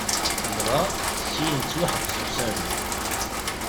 Dɣa, syin yettwaḥbes usarag.